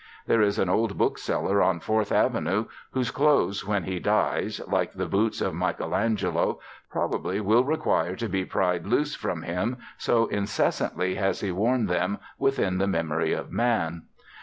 There is an old book seller on Fourth Avenue whose clothes when he dies, like the boots of Michelangelo, probably will require to be pried loose from him, so incessantly has he worn them within the memory of man.